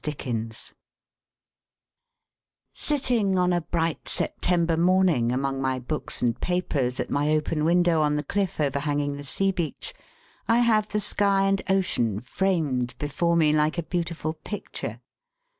OUT OF TOWN SITTING, on a bright September morning, among my books and papers at my open window on the cliff overhanging the sea beach, I have the sky and ocean framed before me like a beautiful picture.